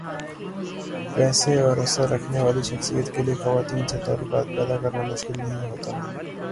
پیسے اور اثر رکھنے والی شخصیات کیلئے خواتین سے تعلقات پیدا کرنا مشکل نہیں ہوتا۔